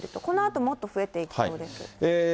このあともっと増えていくそうです。